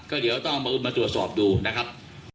ก็เดี๋ยวต้องเอามาตรวจสอบดูนะครับ